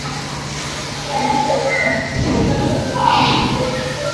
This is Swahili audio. katika Afrika Mashariki na Afrika ya kati Pamoja na sehemu nyingine